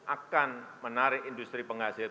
akan menarik industri penghasil